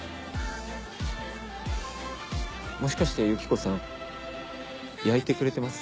もしかしてユキコさんやいてくれてます？